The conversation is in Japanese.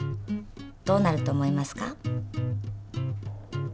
どうなると思いますか？